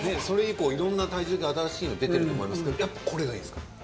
それ以降いろんな体重計新しいの出てると思いますけどやっぱこれがいいんですか？